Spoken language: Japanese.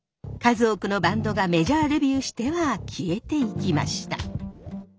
数多くのバンドがメジャーデビューしては消えていきました。